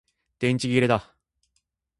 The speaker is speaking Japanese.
電池切れだ